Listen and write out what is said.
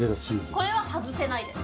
これは外せないです。